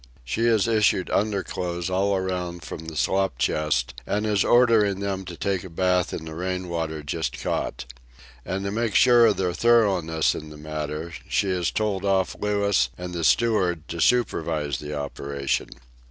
She has issued underclothes all around from the slop chest, and is ordering them to take a bath in the rain water just caught. And to make sure of their thoroughness in the matter, she has told off Louis and the steward to supervise the operation.